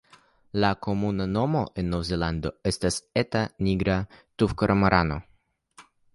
La komuna nomo en Novzelando estas "Eta nigra tufkormorano".